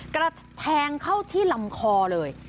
กระแทงเข้าที่ลำคอเลย